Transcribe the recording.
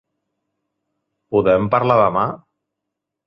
Podem parlar demà?